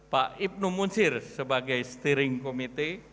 pak ibnu munsir sebagai penyelenggara